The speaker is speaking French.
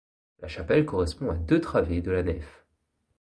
La chapelle correspond à deux travées de la nef.